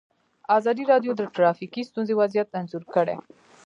ازادي راډیو د ټرافیکي ستونزې وضعیت انځور کړی.